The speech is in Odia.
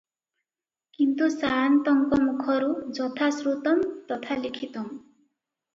କିନ୍ତୁ ସାଆନ୍ତଙ୍କ ମୁଖରୁ 'ଯଥା ଶ୍ରୁତଂ ତଥା ଲିଖିତଂ' ।